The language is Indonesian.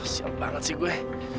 siap banget sih gue